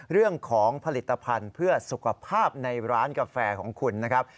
เรื่องของผลิตภัณฑ์เพื่อสุขภาพในร้านกาแฟของคุณนะครับ